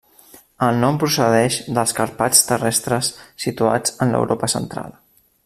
El nom procedeix dels Carpats terrestres, situats en l'Europa Central.